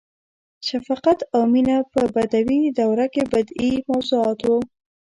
• شفقت او مینه په بدوي دوره کې بدیعي موضوعات وو.